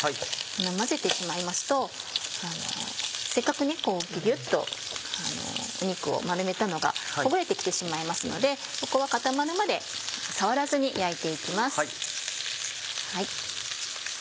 混ぜてしまいますとせっかくギュギュっと肉を丸めたのがほぐれて来てしまいますのでここは固まるまで触らずに焼いて行きます。